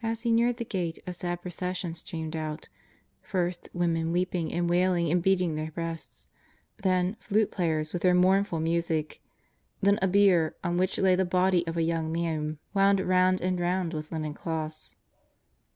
As He neared the gate a sad procession streamed out — first, women weeping and wailing and beating their breasts ; tlien, flute players w ith their mournful music ; then, a bier on which lay the body of a young man wound round and round with linen cloths.